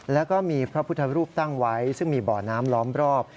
แล้วก็มีพระพุทธรูปตั้งไว้ซึ่งมีบ่อน้ำล้อมรอบ